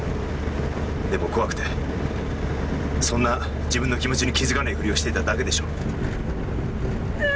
でも怖くてそんな自分の気持ちに気づかないふりをしていただけでしょ？